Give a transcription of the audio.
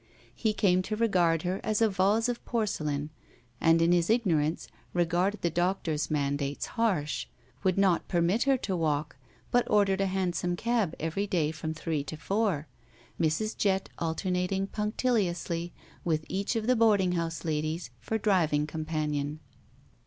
He came to regard her as a vase of porcelain, and, in his ignorance, regarded the doc tor's mandates harsh; would not permit her to walk, but ordered a hansom cab every day from three to four, Mrs. Jett alternating punctiliously with each of the boarding house ladies for driving companion.